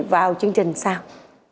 vào chương trình sau